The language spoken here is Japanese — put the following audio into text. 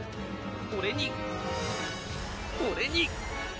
俺に俺に。